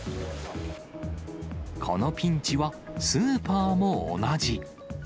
このピンチはスーパーも同じ。